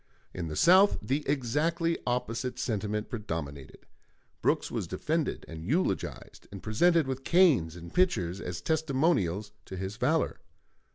In the South the exactly opposite sentiment predominated. Brooks was defended and eulogized, and presented with canes and pitchers as testimonials to his valor.